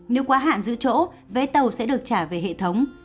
nếu quá hạn giữ chỗ vé tàu sẽ được trả về hệ thống